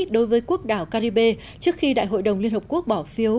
đối với quốc đảo caribe trước khi đại hội đồng liên hợp quốc bỏ phiếu